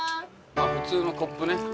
普通のコップね。